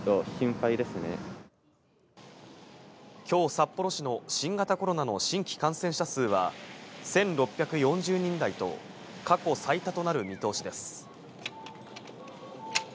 今日札幌市の新型コロナの新規感染者数は１６４０人台と、過去最多となる見通しです。